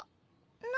何？